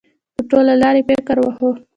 په ټوله لار یې فکر واهه.